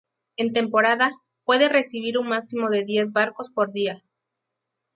En temporada, puede recibir un máximo de diez barcos por día.